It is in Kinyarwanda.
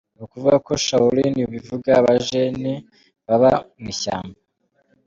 Ni ukuvuga ko shaolini bivuga abajene baba mu ishyamba.